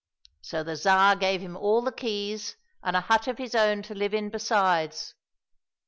So the Tsar gave him all the keys and a hut of his own to live in besides.